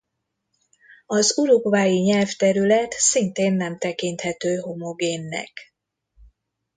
Az uruguayi nyelvterület szintén nem tekinthető homogénnek.